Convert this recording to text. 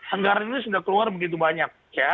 anggaran ini sudah keluar begitu banyak